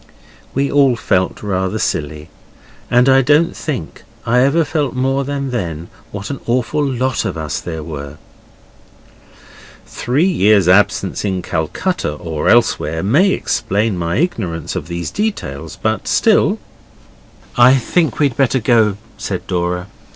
We all felt rather silly, and I don't think I ever felt more than then what an awful lot there were of us. 'Three years' absence in Calcutta or elsewhere may explain my ignorance of these details, but still ' 'I think we'd better go,' said Dora.